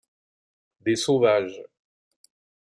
Des sauvages.